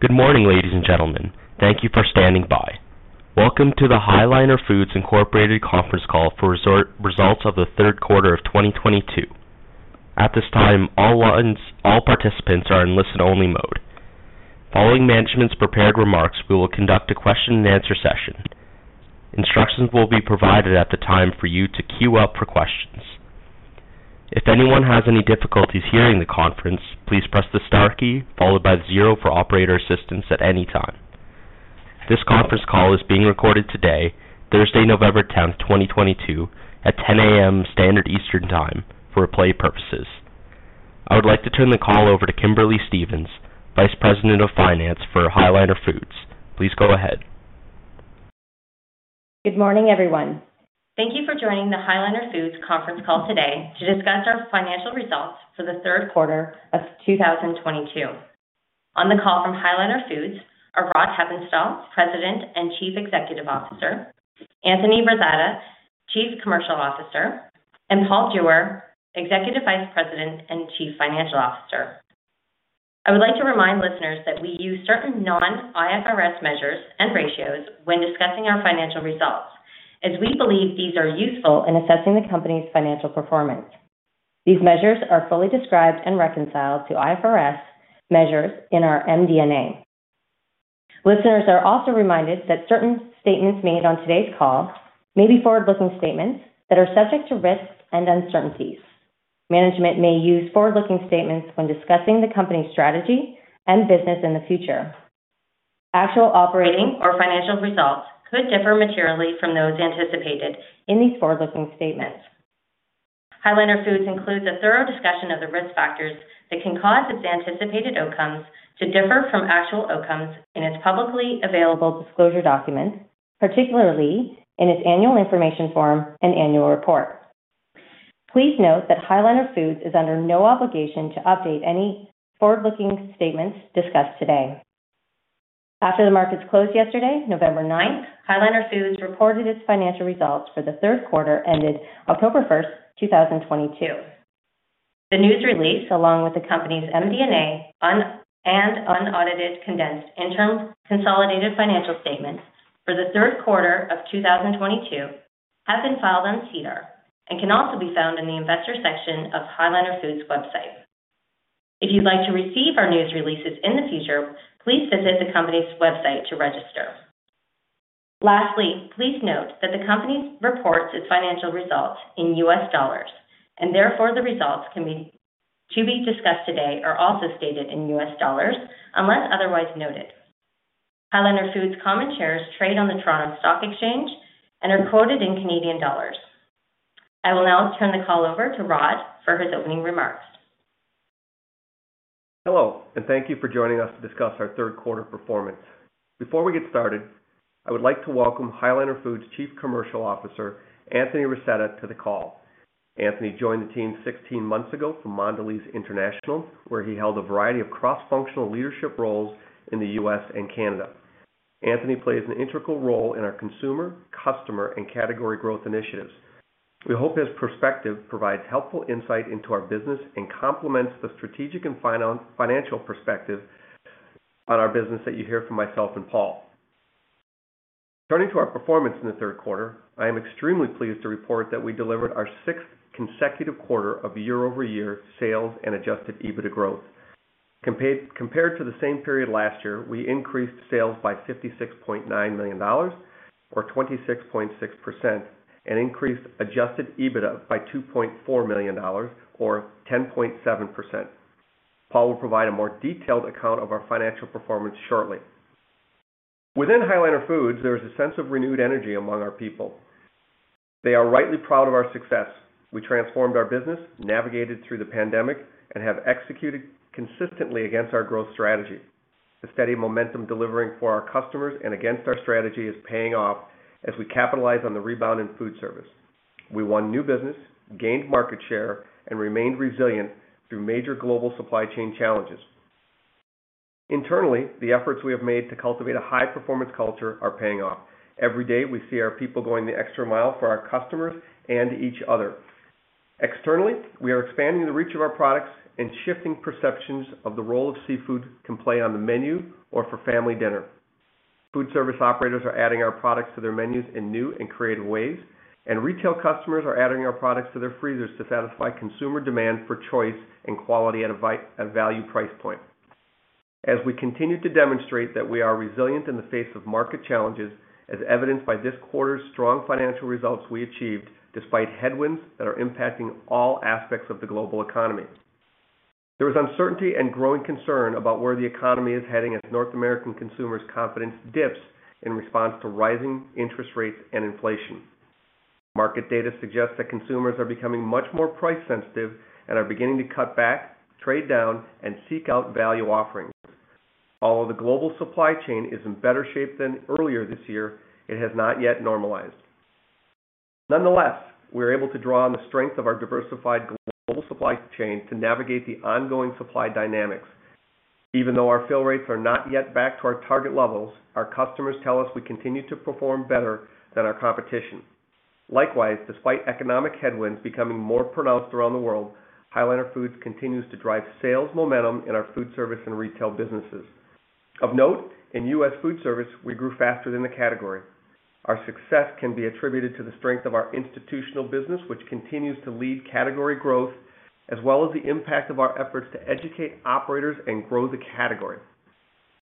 Good morning, ladies and gentlemen. Thank you for standing by. Welcome to the High Liner Foods Incorporated conference call for results of the third quarter of 2022. At this time, all participants are in listen-only mode. Following management's prepared remarks, we will conduct a question-and-answer session. Instructions will be provided at the time for you to queue up for questions. If anyone has any difficulties hearing the conference, please press the star key followed by zero for operator assistance at any time. This conference call is being recorded today, Thursday, November 10, 2022 at 10:00A.M. Eastern Standard Time for replay purposes. I would like to turn the call over to Kimberly Stephens, Vice President, Finance for High Liner Foods. Please go ahead. Good morning, everyone. Thank you for joining the High Liner Foods conference call today to discuss our financial results for the third quarter of 2022. On the call from High Liner Foods are Rod Hepponstall, President and Chief Executive Officer, Anthony Rasetta, Chief Commercial Officer, and Paul Jewer, Executive Vice President and Chief Financial Officer. I would like to remind listeners that we use certain non-IFRS measures and ratios when discussing our financial results, as we believe these are useful in assessing the company's financial performance. These measures are fully described and reconciled to IFRS measures in our MD&A. Listeners are also reminded that certain statements made on today's call may be forward-looking statements that are subject to risks and uncertainties. Management may use forward-looking statements when discussing the company's strategy and business in the future. Actual operating or financial results could differ materially from those anticipated in these forward-looking statements. High Liner Foods includes a thorough discussion of the risk factors that can cause its anticipated outcomes to differ from actual outcomes in its publicly available disclosure documents, particularly in its annual information form and annual report. Please note that High Liner Foods is under no obligation to update any forward-looking statements discussed today. After the markets closed yesterday, November 9th, High Liner Foods reported its financial results for the third quarter ended October 1st, 2022. The news release, along with the company's MD&A and unaudited, condensed interim consolidated financial statements for the third quarter of 2022 have been filed on SEDAR and can also be found in the investor section of High Liner Foods' website. If you'd like to receive our news releases in the future, please visit the company's website to register. Lastly, please note that the company reports its financial results in US dollars, and therefore the results to be discussed today are also stated in US dollars, unless otherwise noted. High Liner Foods common shares trade on the Toronto Stock Exchange and are quoted in Canadian dollars. I will now turn the call over to Rod for his opening remarks. Hello, and thank you for joining us to discuss our third quarter performance. Before we get started, I would like to welcome High Liner Foods Chief Commercial Officer, Anthony Rasetta, to the call. Anthony joined the team 16 months ago from Mondelez International, where he held a variety of cross-functional leadership roles in the U.S. and Canada. Anthony plays an integral role in our consumer, customer, and category growth initiatives. We hope his perspective provides helpful insight into our business and complements the strategic and financial perspective on our business that you hear from myself and Paul. Turning to our performance in the third quarter, I am extremely pleased to report that we delivered our sixth consecutive quarter of year-over-year sales and adjusted EBITDA growth. Compared to the same period last year, we increased sales by $56.9 million or 26.6% and increased adjusted EBITDA by $2.4 million or 10.7%. Paul will provide a more detailed account of our financial performance shortly. Within High Liner Foods, there is a sense of renewed energy among our people. They are rightly proud of our success. We transformed our business, navigated through the pandemic, and have executed consistently against our growth strategy. The steady momentum delivering for our customers and against our strategy is paying off as we capitalize on the rebound in food service. We won new business, gained market share, and remained resilient through major global supply chain challenges. Internally, the efforts we have made to cultivate a high-performance culture are paying off. Every day, we see our people going the extra mile for our customers and each other. Externally, we are expanding the reach of our products and shifting perceptions of the role seafood can play on the menu or for family dinner. Food service operators are adding our products to their menus in new and creative ways, and retail customers are adding our products to their freezers to satisfy consumer demand for choice and quality at a value price point. As we continue to demonstrate that we are resilient in the face of market challenges, as evidenced by this quarter's strong financial results we achieved despite headwinds that are impacting all aspects of the global economy. There is uncertainty and growing concern about where the economy is heading as North American consumers' confidence dips in response to rising interest rates and inflation. Market data suggests that consumers are becoming much more price sensitive and are beginning to cut back, trade down, and seek out value offerings. Although the global supply chain is in better shape than earlier this year, it has not yet normalized. Nonetheless, we're able to draw on the strength of our diversified global supply chain to navigate the ongoing supply dynamics. Even though our fill rates are not yet back to our target levels, our customers tell us we continue to perform better than our competition. Likewise, despite economic headwinds becoming more pronounced around the world, High Liner Foods continues to drive sales momentum in our food service and retail businesses. Of note, in U.S. food service, we grew faster than the category. Our success can be attributed to the strength of our institutional business, which continues to lead category growth, as well as the impact of our efforts to educate operators and grow the category.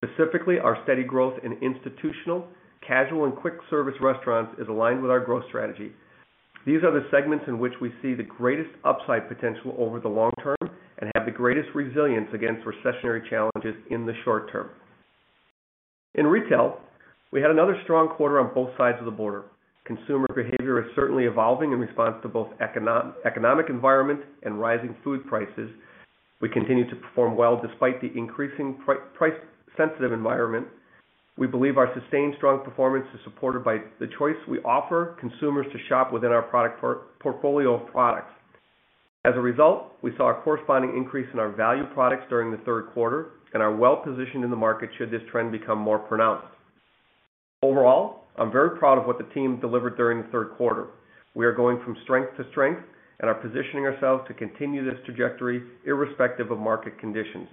Specifically, our steady growth in institutional, casual, and quick service restaurants is aligned with our growth strategy. These are the segments in which we see the greatest upside potential over the long term and have the greatest resilience against recessionary challenges in the short term. In retail, we had another strong quarter on both sides of the border. Consumer behavior is certainly evolving in response to both economic environment and rising food prices. We continue to perform well despite the increasing price sensitive environment. We believe our sustained strong performance is supported by the choice we offer consumers to shop within our product portfolio of products. As a result, we saw a corresponding increase in our value products during the third quarter and are well-positioned in the market should this trend become more pronounced. Overall, I'm very proud of what the team delivered during the third quarter. We are going from strength to strength and are positioning ourselves to continue this trajectory irrespective of market conditions.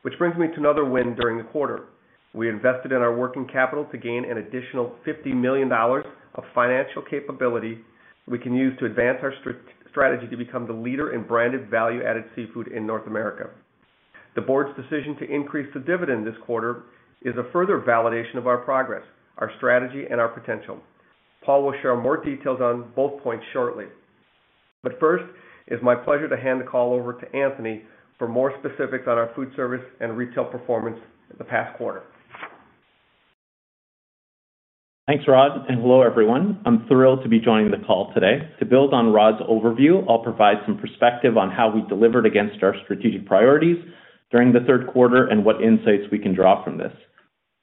Which brings me to another win during the quarter. We invested in our working capital to gain an additional $50 million of financial capability we can use to advance our strategy to become the leader in branded value-added seafood in North America. The board's decision to increase the dividend this quarter is a further validation of our progress, our strategy, and our potential. Paul will share more details on both points shortly. First, it's my pleasure to hand the call over to Anthony for more specifics on our food service and retail performance in the past quarter. Thanks, Rod, and hello, everyone. I'm thrilled to be joining the call today. To build on Rod's overview, I'll provide some perspective on how we delivered against our strategic priorities during the third quarter and what insights we can draw from this.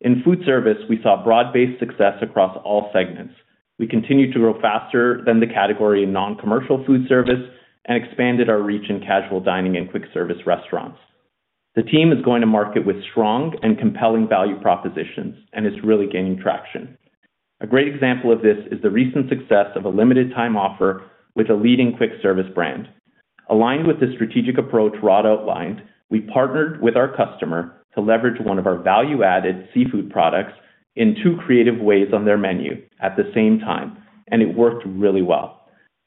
In food service, we saw broad-based success across all segments. We continued to grow faster than the category in non-commercial food service and expanded our reach in casual dining and quick service restaurants. The team is going to market with strong and compelling value propositions and is really gaining traction. A great example of this is the recent success of a limited time offer with a leading quick service brand. Aligned with the strategic approach Rod outlined, we partnered with our customer to leverage one of our value-added seafood products in two creative ways on their menu at the same time, and it worked really well.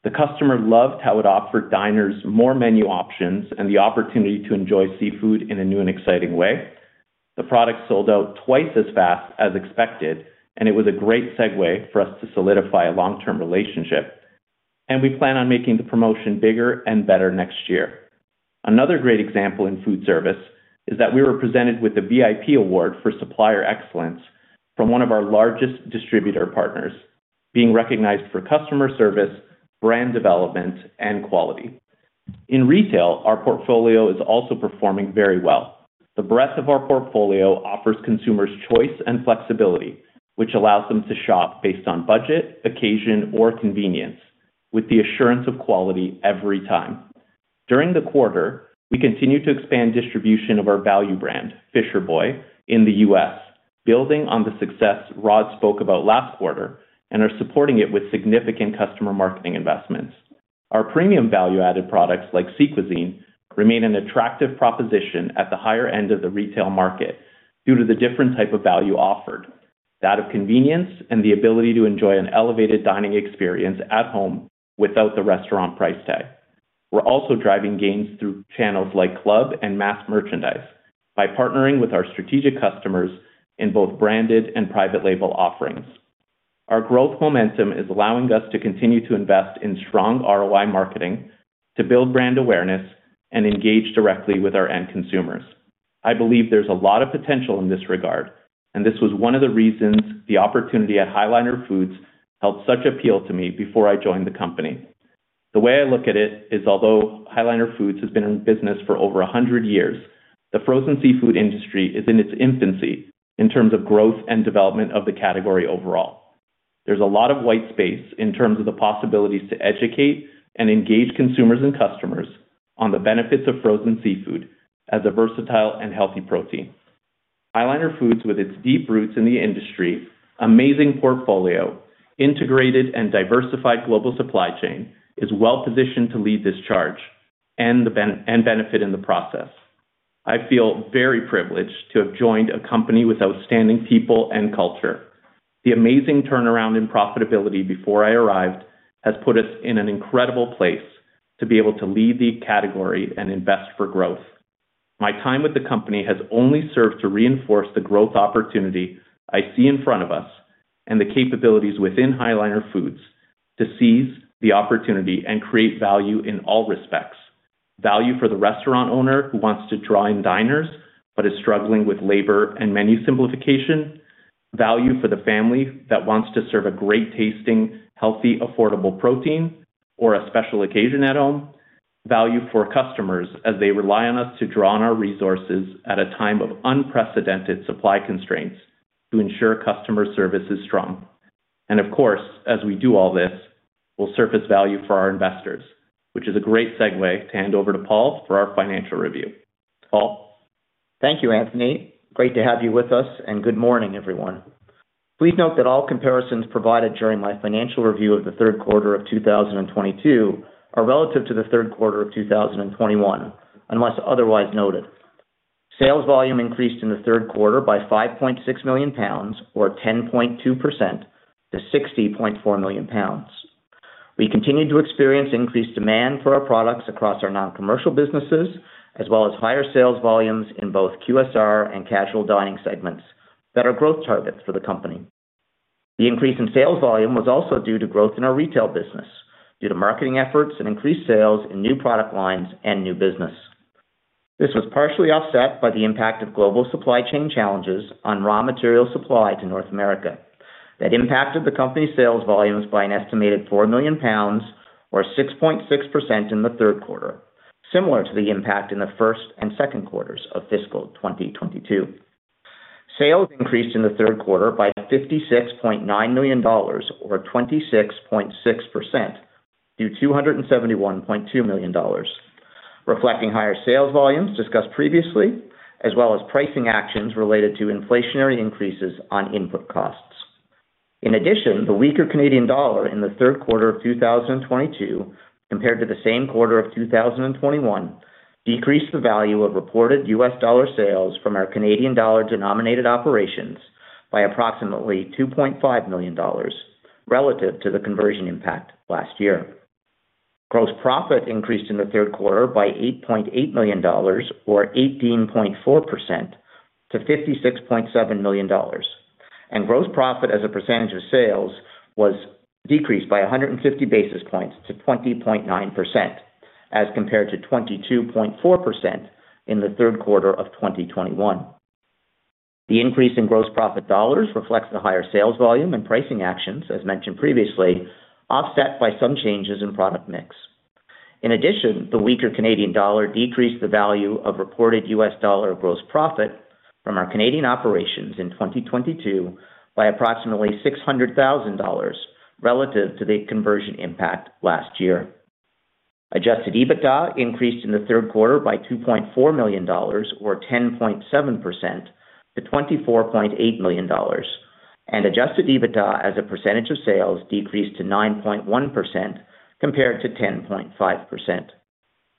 The customer loved how it offered diners more menu options and the opportunity to enjoy seafood in a new and exciting way. The product sold out twice as fast as expected, and it was a great segue for us to solidify a long-term relationship, and we plan on making the promotion bigger and better next year. Another great example in food service is that we were presented with the VIP award for supplier excellence from one of our largest distributor partners, being recognized for customer service, brand development, and quality. In retail, our portfolio is also performing very well. The breadth of our portfolio offers consumers choice and flexibility, which allows them to shop based on budget, occasion, or convenience with the assurance of quality every time. During the quarter, we continued to expand distribution of our value brand, Fisher Boy, in the U.S., building on the success Rod spoke about last quarter, and are supporting it with significant customer marketing investments. Our premium value-added products like Sea Cuisine remain an attractive proposition at the higher end of the retail market due to the different type of value offered, that of convenience and the ability to enjoy an elevated dining experience at home without the restaurant price tag. We're also driving gains through channels like club and mass merchandise by partnering with our strategic customers in both branded and private label offerings. Our growth momentum is allowing us to continue to invest in strong ROI marketing to build brand awareness and engage directly with our end consumers. I believe there's a lot of potential in this regard, and this was one of the reasons the opportunity at High Liner Foods held such appeal to me before I joined the company. The way I look at it is although High Liner Foods has been in business for over a hundred years, the frozen seafood industry is in its infancy in terms of growth and development of the category overall. There's a lot of white space in terms of the possibilities to educate and engage consumers and customers on the benefits of frozen seafood as a versatile and healthy protein. High Liner Foods, with its deep roots in the industry, amazing portfolio, integrated and diversified global supply chain, is well positioned to lead this charge and the benefit in the process. I feel very privileged to have joined a company with outstanding people and culture. The amazing turnaround in profitability before I arrived has put us in an incredible place to be able to lead the category and invest for growth. My time with the company has only served to reinforce the growth opportunity I see in front of us and the capabilities within High Liner Foods to seize the opportunity and create value in all respects. Value for the restaurant owner who wants to draw in diners but is struggling with labor and menu simplification. Value for the family that wants to serve a great-tasting, healthy, affordable protein or a special occasion at home. Value for customers as they rely on us to draw on our resources at a time of unprecedented supply constraints to ensure customer service is strong. Of course, as we do all this, we'll surface value for our investors, which is a great segue to hand over to Paul for our financial review. Paul? Thank you, Anthony. Great to have you with us, and good morning, everyone. Please note that all comparisons provided during my financial review of the third quarter of 2022 are relative to the third quarter of 2021, unless otherwise noted. Sales volume increased in the third quarter by 5.6 million pounds or 10.2% to 60.4 million pounds. We continued to experience increased demand for our products across our non-commercial businesses, as well as higher sales volumes in both QSR and casual dining segments that are growth targets for the company. The increase in sales volume was also due to growth in our retail business due to marketing efforts and increased sales in new product lines and new business. This was partially offset by the impact of global supply chain challenges on raw material supply to North America. That impacted the company's sales volumes by an estimated 4 million pounds or 6.6% in the third quarter, similar to the impact in the first and second quarters of fiscal 2022. Sales increased in the third quarter by $56.9 million or 26.6% to $271.2 million, reflecting higher sales volumes discussed previously, as well as pricing actions related to inflationary increases on input costs. In addition, the weaker Canadian dollar in the third quarter of 2022 compared to the same quarter of 2021 decreased the value of reported US dollar sales from our Canadian dollar-denominated operations by approximately $2.5 million relative to the conversion impact last year. Gross profit increased in the third quarter by $8.8 million or 18.4% to $56.7 million, and gross profit as a percentage of sales was decreased by 150 basis points to 20.9% as compared to 22.4% in the third quarter of 2021. The increase in gross profit dollars reflects the higher sales volume and pricing actions, as mentioned previously, offset by some changes in product mix. In addition, the weaker Canadian dollar decreased the value of reported US dollar gross profit from our Canadian operations in 2022 by approximately $600,000 relative to the conversion impact last year. Adjusted EBITDA increased in the third quarter by $2.4 million or 10.7% to $24.8 million, and adjusted EBITDA as a percentage of sales decreased to 9.1% compared to 10.5%.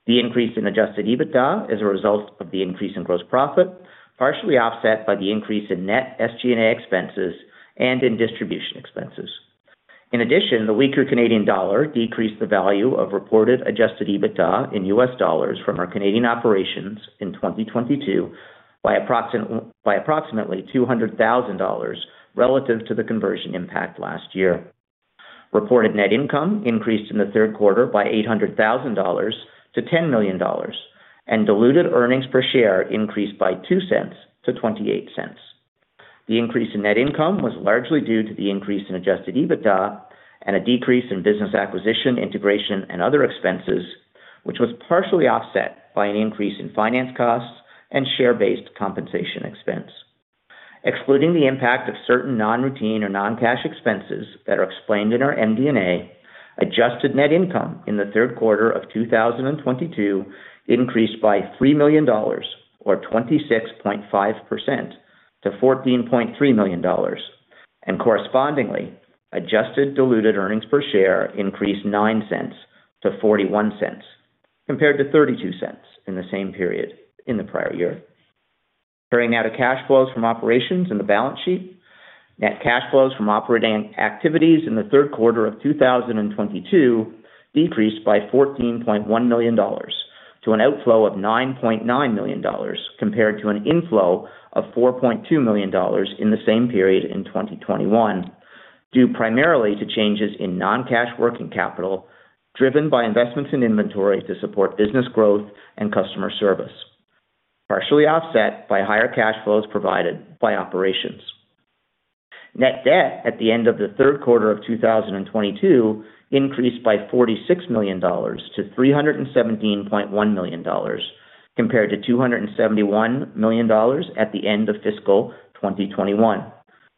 The increase in adjusted EBITDA is a result of the increase in gross profit, partially offset by the increase in net SG&A expenses and in distribution expenses. In addition, the weaker Canadian dollar decreased the value of reported adjusted EBITDA in US dollars from our Canadian operations in 2022 by approximately $200,000 relative to the conversion impact last year. Reported net income increased in the third quarter by $800,000 to $10 million, and diluted earnings per share increased by $0.02 to $0.28. The increase in net income was largely due to the increase in adjusted EBITDA and a decrease in business acquisition integration and other expenses, which was partially offset by an increase in finance costs and share-based compensation expense. Excluding the impact of certain non-routine or non-cash expenses that are explained in our MD&A, adjusted net income in the third quarter of 2022 increased by $3 million or 26.5% to $14.3 million. Correspondingly, adjusted diluted earnings per share increased $0.09 to $0.41, compared to $0.32 in the same period in the prior year. Turning now to cash flows from operations in the balance sheet. Net cash flows from operating activities in the third quarter of 2022 decreased by $14.1 million to an outflow of $9.9 million compared to an inflow of $4.2 million in the same period in 2021, due primarily to changes in non-cash working capital, driven by investments in inventory to support business growth and customer service, partially offset by higher cash flows provided by operations. Net debt at the end of the third quarter of 2022 increased by $46 million to $317.1 million compared to $271 million at the end of fiscal 2021,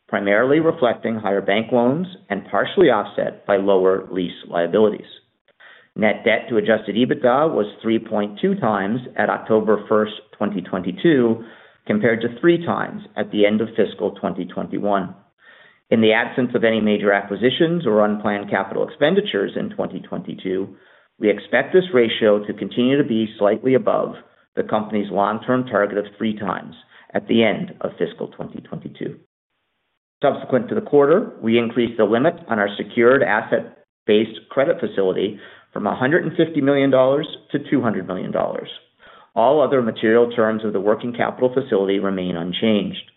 primarily reflecting higher bank loans and partially offset by lower lease liabilities. Net debt to adjusted EBITDA was 3.2x at October 1st, 2022, compared to 3x at the end of fiscal 2021. In the absence of any major acquisitions or unplanned capital expenditures in 2022, we expect this ratio to continue to be slightly above the company's long-term target of 3x at the end of fiscal 2022. Subsequent to the quarter, we increased the limit on our secured asset-based credit facility from $150 million to $200 million. All other material terms of the working capital facility remain unchanged.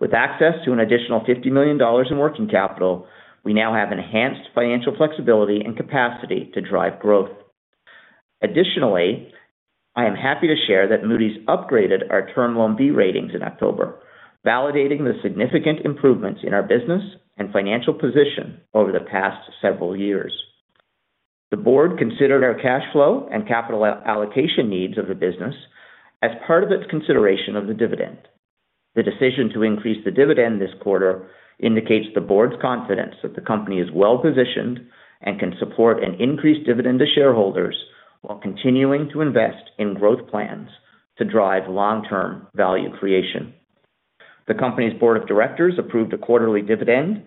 With access to an additional $50 million in working capital, we now have enhanced financial flexibility and capacity to drive growth. Additionally, I am happy to share that Moody's upgraded our Term Loan B ratings in October, validating the significant improvements in our business and financial position over the past several years. The board considered our cash flow and capital allocation needs of the business as part of its consideration of the dividend. The decision to increase the dividend this quarter indicates the board's confidence that the company is well-positioned and can support an increased dividend to shareholders while continuing to invest in growth plans to drive long-term value creation. The company's board of directors approved a quarterly dividend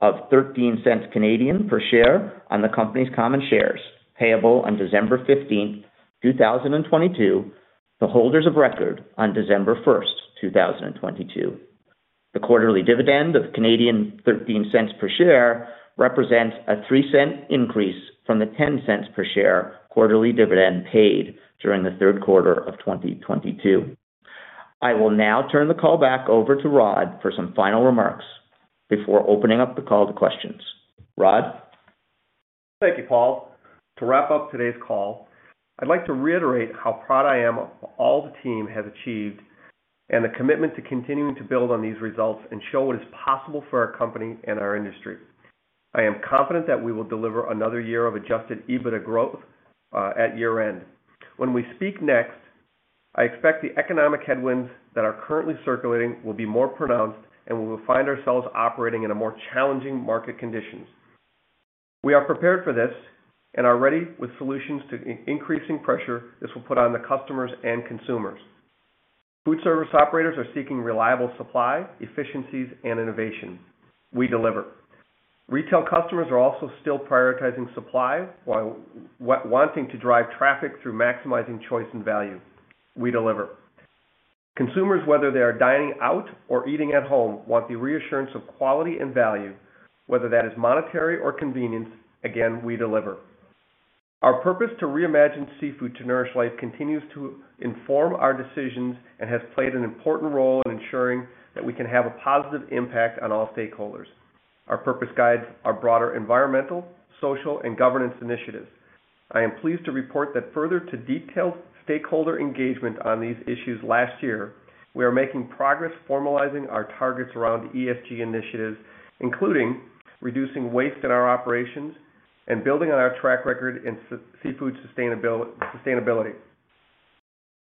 of 0.13 per share on the company's common shares, payable on December 15th, 2022 to holders of record on December 1st, 2022. The quarterly dividend of 0.13 per share represents a 0.03 increase from the 0.10 per share quarterly dividend paid during the third quarter of 2022. I will now turn the call back over to Rod for some final remarks before opening up the call to questions. Rod? Thank you, Paul. To wrap up today's call, I'd like to reiterate how proud I am of all the team has achieved and the commitment to continuing to build on these results and show what is possible for our company and our industry. I am confident that we will deliver another year of adjusted EBITDA growth at year-end. When we speak next, I expect the economic headwinds that are currently circulating will be more pronounced, and we will find ourselves operating in a more challenging market conditions. We are prepared for this and are ready with solutions to increasing pressure this will put on the customers and consumers. Food service operators are seeking reliable supply, efficiencies and innovation. We deliver. Retail customers are also still prioritizing supply while wanting to drive traffic through maximizing choice and value. We deliver. Consumers, whether they are dining out or eating at home, want the reassurance of quality and value, whether that is monetary or convenience. Again, we deliver. Our purpose to reimagine seafood to nourish life continues to inform our decisions and has played an important role in ensuring that we can have a positive impact on all stakeholders. Our purpose guides our broader environmental, social, and governance initiatives. I am pleased to report that further to detailed stakeholder engagement on these issues last year, we are making progress formalizing our targets around ESG initiatives, including reducing waste in our operations and building on our track record in seafood sustainability.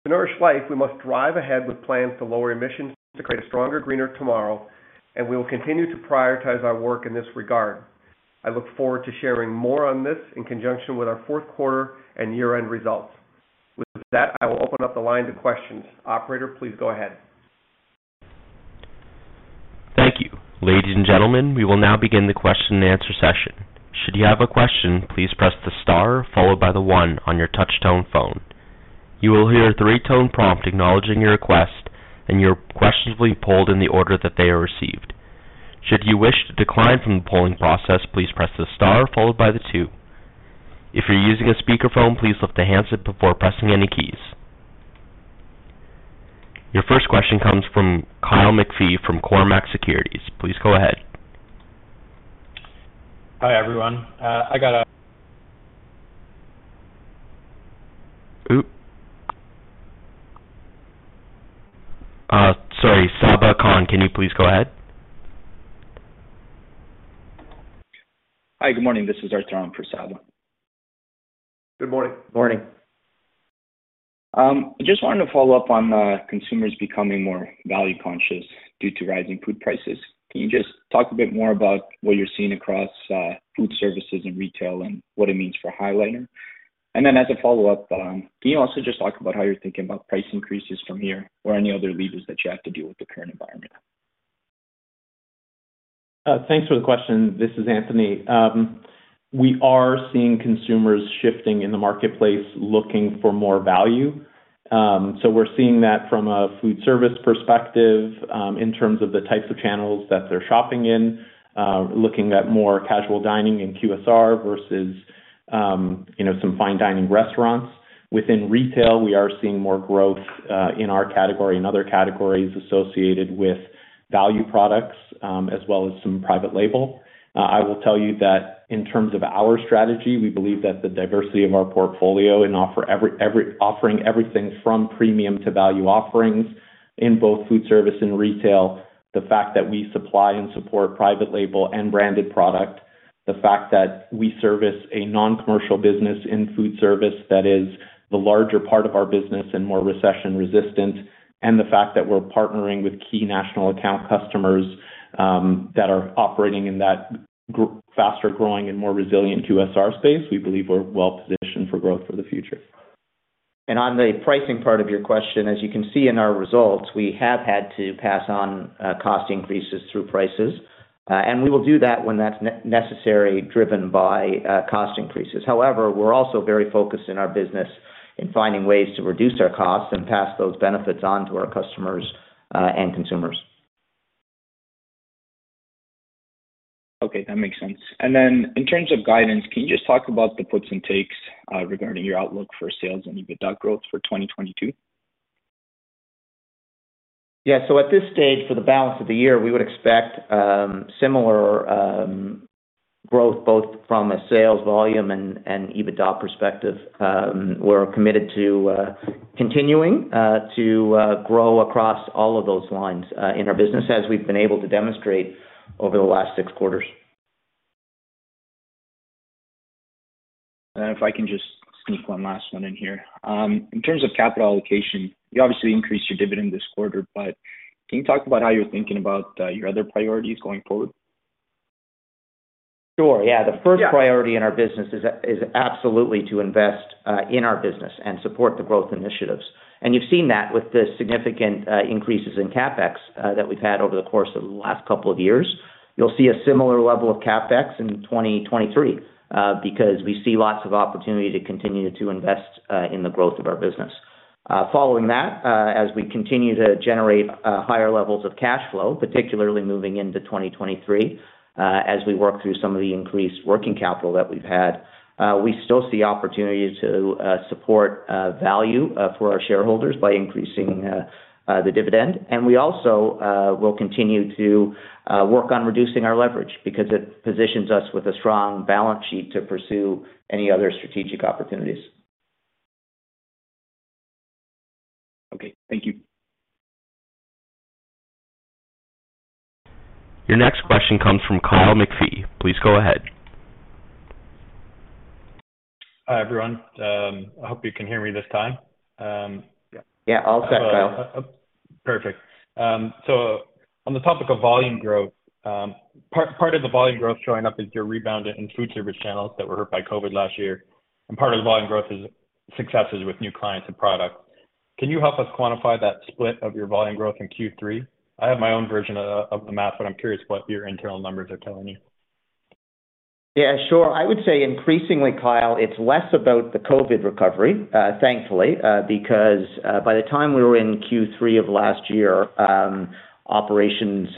To nourish life, we must drive ahead with plans to lower emissions to create a stronger, greener tomorrow, and we will continue to prioritize our work in this regard. I look forward to sharing more on this in conjunction with our fourth quarter and year-end results. With that, I will open up the line to questions. Operator, please go ahead. Thank you. Ladies and gentlemen, we will now begin the question and answer session. Should you have a question, please press the star followed by the one on your touch tone phone. You will hear a three-tone prompt acknowledging your request, and your question will be polled in the order that they are received. Should you wish to decline from the polling process, please press the star followed by the two. If you're using a speakerphone, please lift the handset before pressing any keys. Your first question comes from Kyle McPhee from Cormark Securities. Please go ahead. Hi, everyone. Sorry, Saba Khan, can you please go ahead? Hi. Good morning. This is Artan for Saba. Good morning. Morning. Just wanted to follow up on consumers becoming more value conscious due to rising food prices. Can you just talk a bit more about what you're seeing across food services and retail and what it means for High Liner Foods? As a follow-up, can you also just talk about how you're thinking about price increases from here or any other levers that you have to deal with the current environment? Thanks for the question. This is Anthony. We are seeing consumers shifting in the marketplace looking for more value. We're seeing that from a food service perspective, in terms of the types of channels that they're shopping in, looking at more casual dining in QSR versus, you know, some fine dining restaurants. Within retail, we are seeing more growth in our category and other categories associated with value products, as well as some private label. I will tell you that in terms of our strategy, we believe that the diversity of our portfolio and offering everything from premium to value offerings in both food service and retail. The fact that we supply and support private label and branded product, the fact that we service a non-commercial business in food service that is the larger part of our business and more recession resistant, and the fact that we're partnering with key national account customers, that are operating in that faster growing and more resilient QSR space, we believe we're well positioned for growth for the future. On the pricing part of your question, as you can see in our results, we have had to pass on cost increases through prices, and we will do that when that's necessary, driven by cost increases. However, we're also very focused in our business in finding ways to reduce our costs and pass those benefits on to our customers and consumers. Okay, that makes sense. Then in terms of guidance, can you just talk about the puts and takes regarding your outlook for sales and EBITDA growth for 2022? Yeah. At this stage, for the balance of the year, we would expect similar growth both from a sales volume and EBITDA perspective. We're committed to continuing to grow across all of those lines in our business, as we've been able to demonstrate over the last six quarters. If I can just sneak one last one in here. In terms of capital allocation, you obviously increased your dividend this quarter, but can you talk about how you're thinking about your other priorities going forward? Sure, yeah. The first priority in our business is absolutely to invest in our business and support the growth initiatives. You've seen that with the significant increases in CapEx that we've had over the course of the last couple of years. You'll see a similar level of CapEx in 2023 because we see lots of opportunity to continue to invest in the growth of our business. Following that, as we continue to generate higher levels of cash flow, particularly moving into 2023, as we work through some of the increased working capital that we've had, we still see opportunities to support value for our shareholders by increasing the dividend. We also will continue to work on reducing our leverage because it positions us with a strong balance sheet to pursue any other strategic opportunities. Okay, thank you. Your next question comes from Kyle McPhee. Please go ahead. Hi, everyone. I hope you can hear me this time. Yeah, all set, Kyle. Perfect. On the topic of volume growth, part of the volume growth showing up is your rebound in food service channels that were hurt by COVID last year. Part of the volume growth is successes with new clients and products. Can you help us quantify that split of your volume growth in Q3? I have my own version of the math. I'm curious what your internal numbers are telling you. Yeah, sure. I would say increasingly, Kyle, it's less about the COVID recovery, thankfully, because by the time we were in Q3 of last year, operations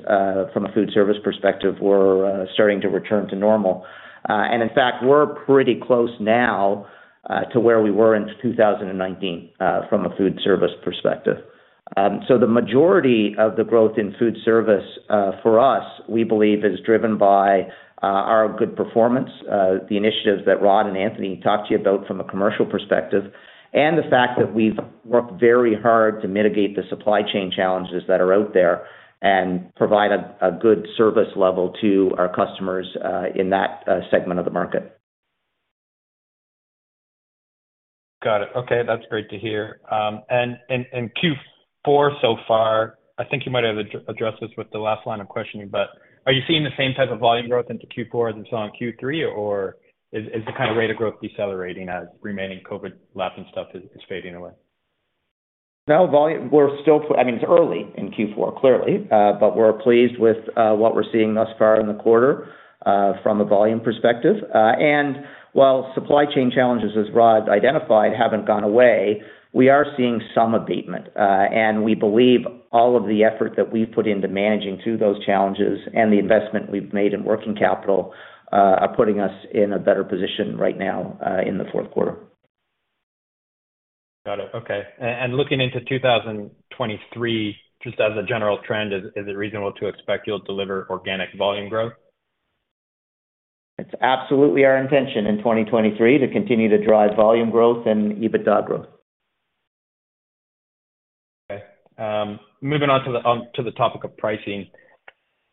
from a food service perspective were starting to return to normal. In fact, we're pretty close now to where we were in 2019 from a food service perspective. The majority of the growth in food service for us, we believe, is driven by our good performance, the initiatives that Rod and Anthony talked to you about from a commercial perspective, and the fact that we've worked very hard to mitigate the supply chain challenges that are out there and provide a good service level to our customers in that segment of the market. Got it. Okay, that's great to hear. Q4 so far, I think you might have addressed this with the last line of questioning, but are you seeing the same type of volume growth into Q4 as you saw in Q3, or is the kind of rate of growth decelerating as remaining COVID lapping and stuff is fading away? We're still I mean, it's early in Q4, clearly, but we're pleased with what we're seeing thus far in the quarter from a volume perspective. While supply chain challenges, as Rod identified, haven't gone away, we are seeing some abatement. We believe all of the effort that we've put into managing through those challenges and the investment we've made in working capital are putting us in a better position right now in the fourth quarter. Got it. Okay. Looking into 2023, just as a general trend, is it reasonable to expect you'll deliver organic volume growth? It's absolutely our intention in 2023 to continue to drive volume growth and EBITDA growth. Okay. Moving on to the topic of pricing.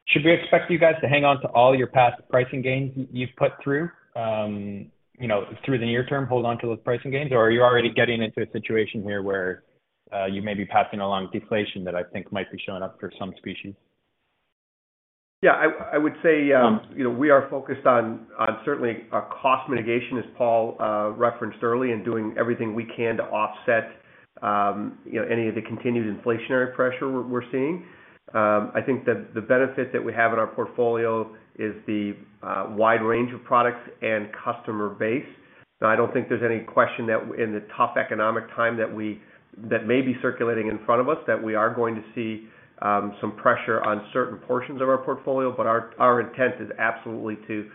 Should we expect you guys to hang on to all your past pricing gains you've put through the near term, hold on to those pricing gains, or are you already getting into a situation here where you may be passing along deflation that I think might be showing up for some species? I would say, you know, we are focused on certainly cost mitigation, as Paul referenced early, and doing everything we can to offset, you know, any of the continued inflationary pressure we're seeing. I think that the benefit that we have in our portfolio is the wide range of products and customer base. Now, I don't think there's any question that in the tough economic time that may be circulating in front of us, that we are going to see some pressure on certain portions of our portfolio, but our intent is absolutely to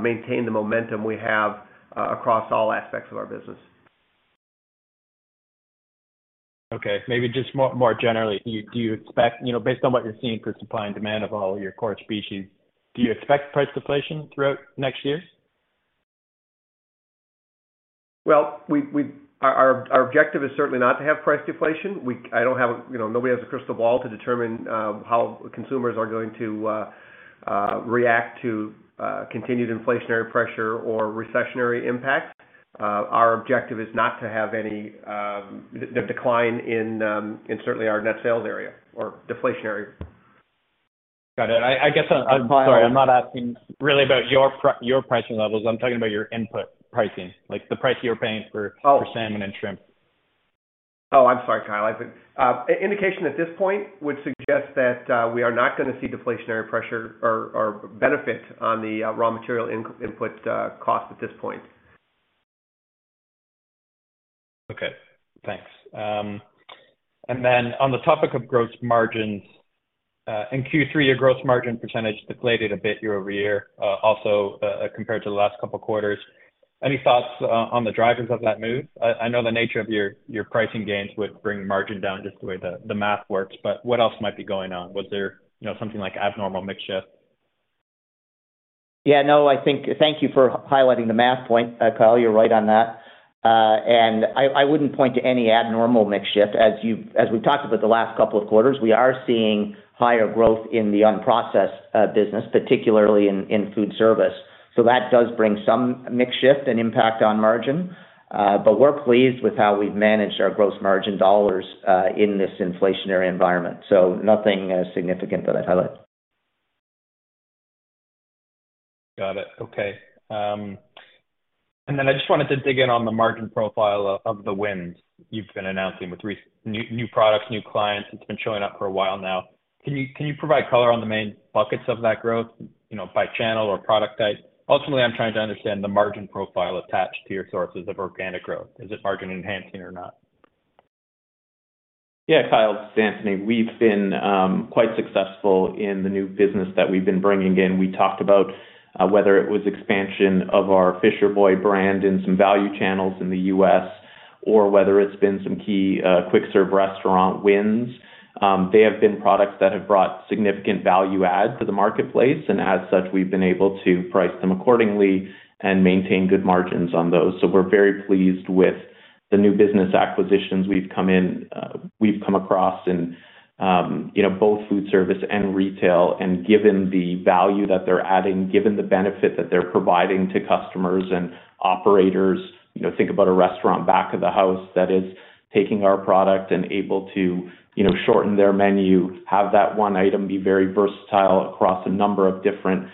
maintain the momentum we have across all aspects of our business. Okay, maybe just more generally. Do you expect, you know, based on what you're seeing for supply and demand of all your core species, do you expect price deflation throughout next year? Our objective is certainly not to have price deflation. You know, nobody has a crystal ball to determine how consumers are going to react to continued inflationary pressure or recessionary impact. Our objective is not to have any decline in, certainly, our net sales or deflationary. Got it. I guess I'm sorry, I'm not asking really about your pricing levels. I'm talking about your input pricing, like the price you're paying for. Oh. For salmon and shrimp. Oh, I'm sorry, Kyle. I think indication at this point would suggest that we are not gonna see deflationary pressure or benefit on the raw material input cost at this point. Okay, thanks. Then on the topic of gross margins, in Q3, your gross margin percentage deflated a bit year-over-year, also compared to the last couple of quarters. Any thoughts on the drivers of that move? I know the nature of your pricing gains would bring margin down, just the way the math works, but what else might be going on? Was there, you know, something like abnormal mix shift? Yeah, no. Thank you for highlighting the math point, Kyle. You're right on that. I wouldn't point to any abnormal mix shift. As we've talked about the last couple of quarters, we are seeing higher growth in the unprocessed business, particularly in food service. So that does bring some mix shift and impact on margin. We're pleased with how we've managed our gross margin dollars in this inflationary environment. Nothing significant to highlight. Got it. Okay. I just wanted to dig in on the margin profile of the wins you've been announcing with new products, new clients. It's been showing up for a while now. Can you provide color on the main buckets of that growth, you know, by channel or product type? Ultimately, I'm trying to understand the margin profile attached to your sources of organic growth. Is it margin enhancing or not? Yeah, Kyle, this is Anthony. We've been quite successful in the new business that we've been bringing in. We talked about whether it was expansion of our Fisher Boy brand in some value channels in the U.S. or whether it's been some key quick serve restaurant wins. They have been products that have brought significant value add to the marketplace, and as such, we've been able to price them accordingly and maintain good margins on those. We're very pleased with the new business acquisitions we've come across in, you know, both food service and retail. Given the value that they're adding, given the benefit that they're providing to customers and operators, you know, think about a restaurant back of the house that is taking our product and able to, you know, shorten their menu, have that one item be very versatile across a number of different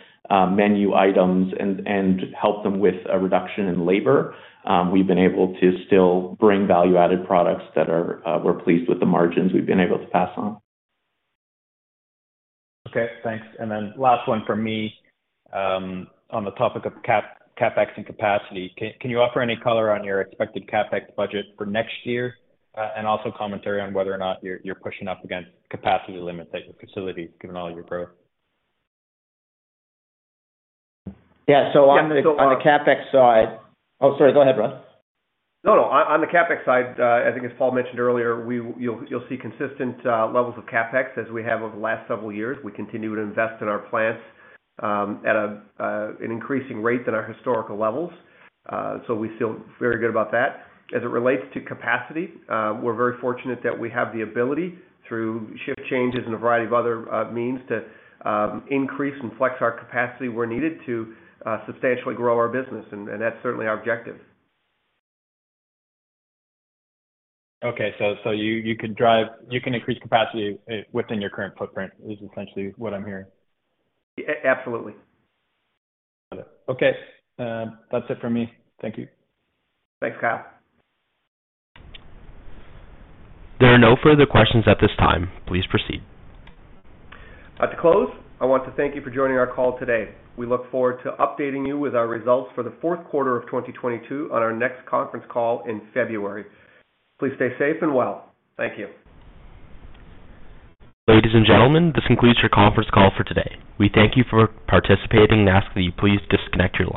menu items and help them with a reduction in labor. We've been able to still bring value-added products that are, we're pleased with the margins we've been able to pass on. Okay, thanks. Last one from me. On the topic of CapEx and capacity, can you offer any color on your expected CapEx budget for next year? Also commentary on whether or not you're pushing up against capacity limits at your facility given all your growth. Yeah. On the CapEx side. Oh, sorry, go ahead, Rod. No. On the CapEx side, I think as Paul mentioned earlier, you'll see consistent levels of CapEx as we have over the last several years. We continue to invest in our plants at an increasing rate than our historical levels. We feel very good about that. As it relates to capacity, we're very fortunate that we have the ability through shift changes and a variety of other means to increase and flex our capacity where needed to substantially grow our business. That's certainly our objective. Okay. You can increase capacity within your current footprint is essentially what I'm hearing. A-absolutely. Got it. Okay. That's it for me. Thank you. Thanks, Kyle. There are no further questions at this time. Please proceed. To close, I want to thank you for joining our call today. We look forward to updating you with our results for the fourth quarter of 2022 on our next conference call in February. Please stay safe and well. Thank you. Ladies and gentlemen, this concludes your conference call for today. We thank you for participating and ask that you please disconnect your lines.